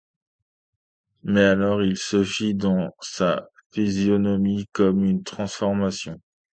Mais alors il se fit dans sa physionomie comme une transformation.